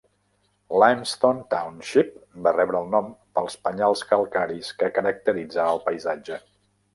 Limestone Township va rebre el nom pels penyals calcaris que caracteritzen el paisatge.